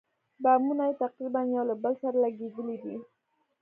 بامونه یې تقریباً یو له بل سره لګېدلي دي.